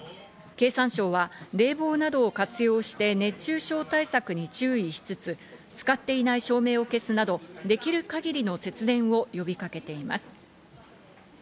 経産省は冷房などを活用して、熱中症対策に注意しつつ、使っていない照明を消すなど、できる限りの節電を呼びかけています。